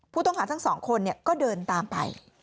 ผู้ต้องหาทั้งสองคนก็เดินตามไป